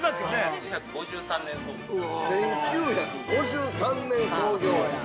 ◆１９５３年創業です。